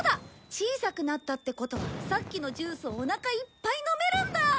小さくなったってことはさっきのジュースおなかいっぱい飲めるんだ！